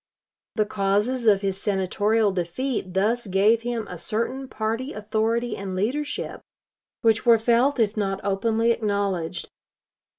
The causes of his Senatorial defeat thus gave him a certain party authority and leadership, which were felt if not openly acknowledged.